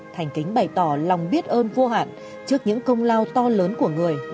thành kính bày tỏ lòng biết ơn vô hạn trước những công lao to lớn của người